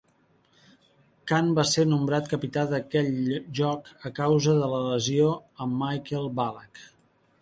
Kahn va ser nombrat capità d'aquell joc a causa de la lesió a Michael Ballack.